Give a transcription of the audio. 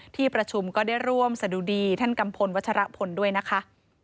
ที่ประชุมก็ได้ร่วมสะดุดีท่านกัมพลวัชรพลด้วยนะคะ